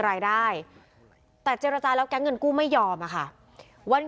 รายได้แต่เจรจาแล้วแก๊งเงินกู้ไม่ยอมอะค่ะวัน